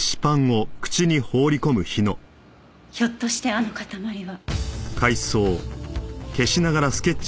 ひょっとしてあの塊は。